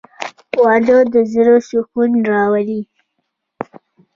• واده د زړه سکون راولي.